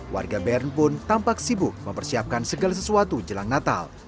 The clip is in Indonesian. warga bern pun tampak sibuk mempersiapkan segala sesuatu jelang natal